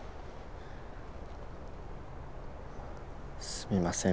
すみません。